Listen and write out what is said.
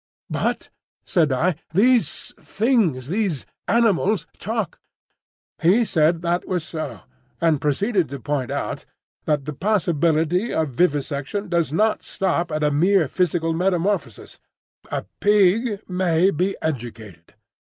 "But," said I, "these things—these animals talk!" He said that was so, and proceeded to point out that the possibility of vivisection does not stop at a mere physical metamorphosis. A pig may be educated.